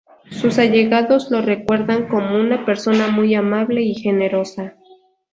Sus allegados lo recuerdan como una persona muy amable y generosa.